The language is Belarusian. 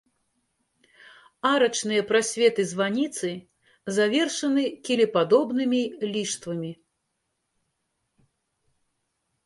Арачныя прасветы званіцы завершаны кілепадобнымі ліштвамі.